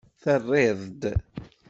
Terriḍ-d.